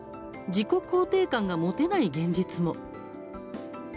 自己肯定感が持てない現実も。